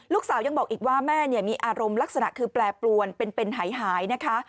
ลูกสาวยังบอกอีกว่าแม่มีอารมณ์ลักษณะคือแปรปรวนเป็นหายนะคะ